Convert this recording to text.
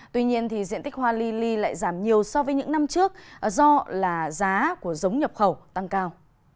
tuy nhiên diện tích hoa li li lại giảm nhiều so với những năm trước do giá của giống nhập khẩu tăng cao